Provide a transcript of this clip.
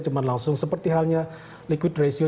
cuma langsung seperti halnya liquid ratio